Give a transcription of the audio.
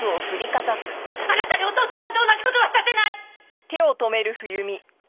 あなたに弟さんと同じ事はさせない！